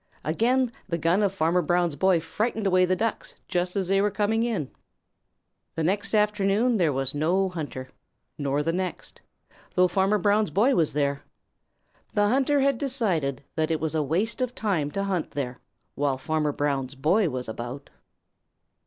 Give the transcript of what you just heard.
Again the gun of Farmer Brown's boy frightened away the Ducks just as they were coming in. The next afternoon there was no hunter nor the next, though Farmer Brown's boy was there. The hunter had decided that it was a waste of time to hunt there while Farmer Brown's boy was about.